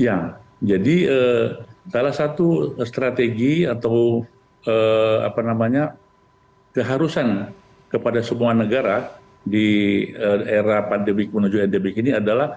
ya jadi salah satu strategi atau keharusan kepada semua negara di era pandemik menuju endemik ini adalah